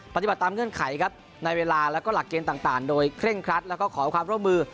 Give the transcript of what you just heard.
ปฏิบัติตามเงื่อนไขครับในเวลาแล้วก็หลักเกณฑ์ต่างโดยเคร่งครัดแล้วก็ขอความร่วมมือ